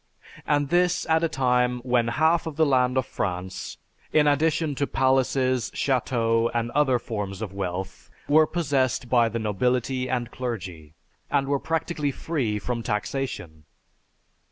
And this at a time when half the land of France, in addition to palaces, chateaux, and other forms of wealth were possessed by the nobility and clergy, and were practically free from taxation.